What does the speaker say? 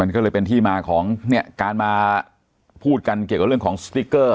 ก็เลยเป็นที่มาของเนี่ยการมาพูดกันเกี่ยวกับเรื่องของสติ๊กเกอร์